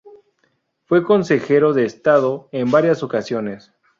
Fue consejero de Estado en varias ocasiones.